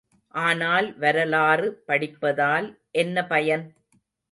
ஆனால், வரலாறு படிப்பதால் என்ன பயன்?